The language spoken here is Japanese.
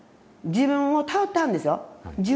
自分を頼ってはるんですよ。